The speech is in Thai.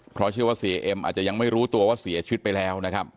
เพราะเชื่อว่าเสียเอ็มอาจจะยังไม่รู้ตัวว่าเสียชีวิตไปแล้วนะครับ